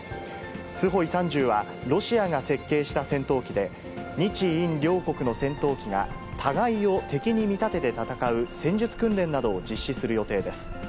スホイ３０は、ロシアが設計した戦闘機で、日印両国の戦闘機が、互いを敵に見立てて戦う戦術訓練などを実施する予定です。